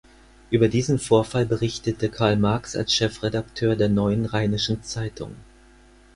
Über diesen Vorfall berichtete Karl Marx als Chefredakteur der Neuen Rheinischen Zeitung.